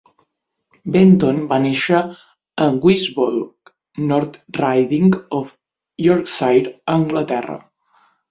Benton va néixer a Guisborough, North Riding of Yorkshire, Anglaterra.